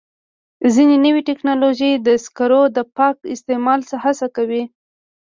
ځینې نوې ټکنالوژۍ د سکرو د پاک استعمال هڅه کوي.